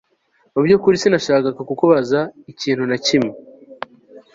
Mubyukuri sinashakaga kukubaza ikintu na kimwe